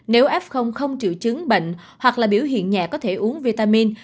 nếu f không triệu chứng bệnh hoặc là biểu hiện nhẹ có thể uống vitamin